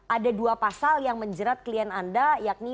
ada dua pasal yang menjerat klien anda yakni